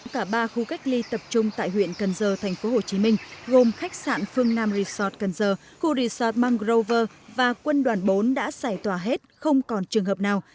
cả ba khu cách ly tập trung tại huyện cần giờ tp hcm gồm khách sạn phương nam resort cần giờ khu resort mangrover và quân đoàn bốn đã giải tỏa hết không còn trường hợp nào